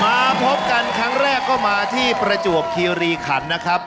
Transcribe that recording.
มาพบกันครั้งแรกก็มาที่ประจวบคีรีขันนะครับ